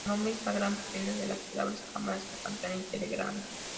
El nombre "Instagram" proviene de las palabras "cámara instantánea" y "telegrama".